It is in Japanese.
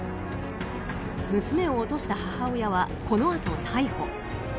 娘を落とした母親はこのあと逮捕。